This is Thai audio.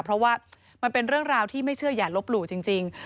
เพราะว่ามันเป็นเรื่องราวที่ไม่เชื่ออย่าลบหลู่จริง